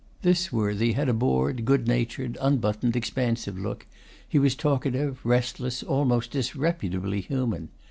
This worthy had a bored, good natured, unbuttoned, expansive look; was talkative, restless, almost disreputably human.